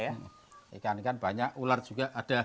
ikan ikan banyak ular juga ada